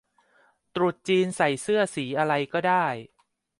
ตรุษจีนใส่เสื้อสีอะไรก็ได้